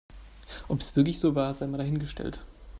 Ob es wirklich so war, sei mal dahingestellt.